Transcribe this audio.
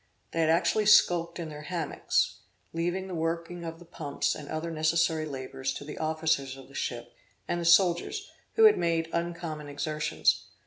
They had actually skulked in their hammocks, leaving the working of the pumps and other necessary labours to the officers of the ship, and the soldiers, who had made uncommon exertions.